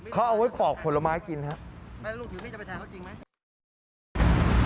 อ๋อเขาเอาไว้ปอกผลไม้กินครับ